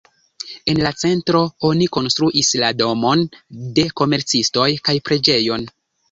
En la centro oni konstruis la domon de komercistoj kaj preĝejon.